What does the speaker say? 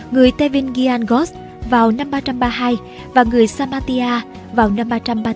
người tevin gian gos vào năm ba trăm ba mươi hai và người samathia vào năm ba trăm ba mươi bốn